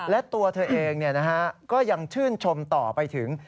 และตัวเธอเองก็ยังชื่นชมต่อไปถึง